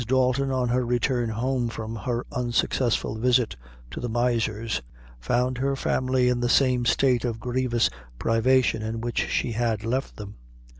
Dalton, on her return home from her unsuccessful visit to the miser's, found her family in the same state of grievous privation in which she had left them.